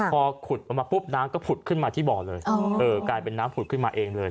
พอขุดออกมาปุ๊บน้ำก็ผุดขึ้นมาที่บ่อเลยกลายเป็นน้ำผุดขึ้นมาเองเลย